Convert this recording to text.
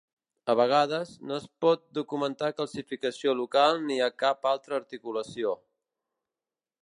A vegades, no es pot documentar calcificació local ni a cap altra articulació.